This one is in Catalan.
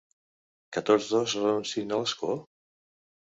Que tots dos renunciïn a l’escó?